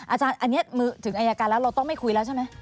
อาจารย์อันนี้มือถึงอายการแล้วเราต้องไม่คุยแล้วใช่ไหม